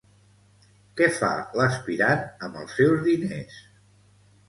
Què fa l'aspirant amb els seus diners?